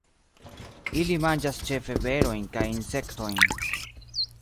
Ili manĝas ĉefe berojn kaj insektojn.